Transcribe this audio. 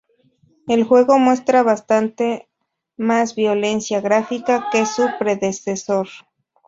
El juego muestra bastante más violencia gráfica que su predecesor.